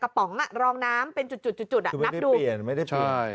กระป๋องอ่ะรองน้ำเป็นจุดจุดจุดจุดอ่ะนับดูไม่ได้เปลี่ยนไม่ได้เปลี่ยน